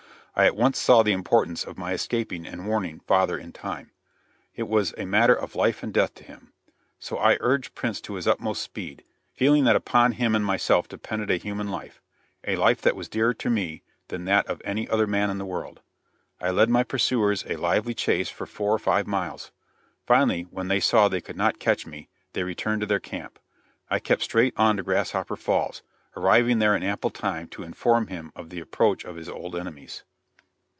I at once saw the importance of my escaping and warning father in time. It was a matter of life or death to him. So I urged Prince to his utmost speed, feeling that upon him and myself depended a human life a life that was dearer to me than that of any other man in the world. I led my pursuers a lively chase for four or five miles; finally, when they saw they could not catch me, they returned to their camp. I kept straight on to Grasshopper Falls, arriving there in ample time to inform him of the approach of his old enemies.